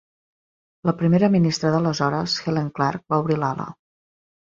La primera ministra d'aleshores, Helen Clark, va obrir l'ala.